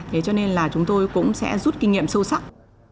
thế cho nên là chúng tôi cũng sẽ rút kinh nghiệm sâu sắc